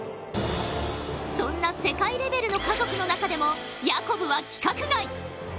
そんな世界レベルの家族の中でもヤコブは規格外。